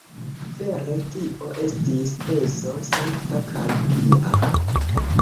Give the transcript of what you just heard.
Vere, tio estis penso sankta kaj pia.